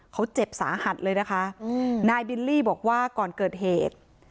เขาเจ็บสาหัสเลยนะคะอืมนายบิลลี่บอกว่าก่อนเกิดเหตุ